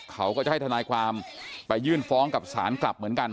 เขาก็จะให้ทนายความไปยื่นฟ้องกับศาลกลับเหมือนกัน